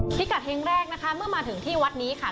พิกัดเฮงแรกนะคะเมื่อมาถึงที่วัดนี้ค่ะ